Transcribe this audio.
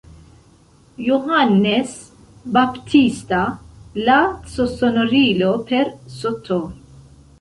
Johannes Baptista“, la c-sonorilo per „St.